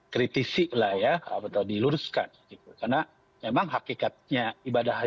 karena khususnya besar orang juga dapat muat dalam hal yang sama como tanpa tersaking pel savannahu